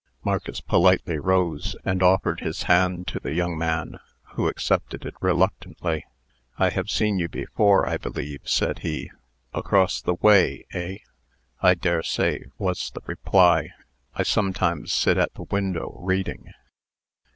Marcus politely rose, and offered his hand to the young man, who accepted it reluctantly. "I have seen you before, I believe," said he. "Across the way, eh?" "I dare say," was the reply. "I sometimes sit at the window, reading."